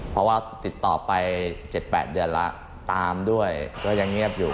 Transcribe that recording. เพราะว่าติดต่อไป๗๘เดือนแล้วตามด้วยก็ยังเงียบอยู่